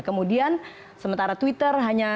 kemudian sementara twitter hanya